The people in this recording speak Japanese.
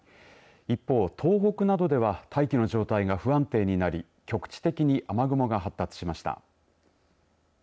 一方、東北などでは大気の状態が不安定になり局地的に雨雲が発達しました。